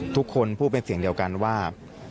ทุกคนพูดเป็นเสียงเดียวกันว่า